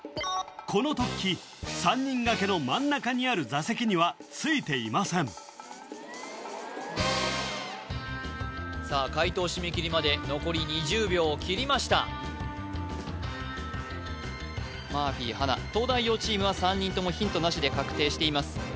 この突起３人掛けの真ん中にある座席にはついていませんさあ解答締め切りまで残り２０秒を切りましたマーフィー波奈東大王チームは３人ともヒントなしで確定しています